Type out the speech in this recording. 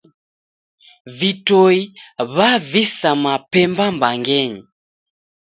Vitoi w'avisa mapemba mbangenyi